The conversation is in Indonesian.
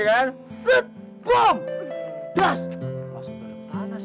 langsung balik ke tanah